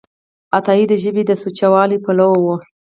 عطایي د ژبې د سوچهوالي پلوی و.